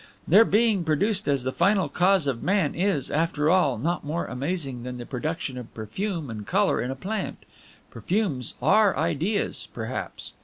"Their being produced as the final cause of man is, after all, not more amazing than the production of perfume and color in a plant. Perfumes are ideas, perhaps!